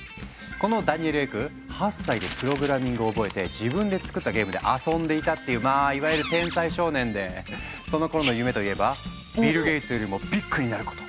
このダニエル・エク８歳でプログラミングを覚えて自分で作ったゲームで遊んでいたっていうまあいわゆる天才少年でそのころの夢といえば「ビル・ゲイツよりもビッグになること」だったとか。